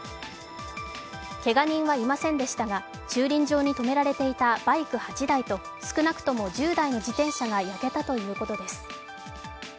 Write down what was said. けが人はいませんでしたが、駐輪場に止められていたバイク８台と、少なくとも１０台の自転車が焼けたということです。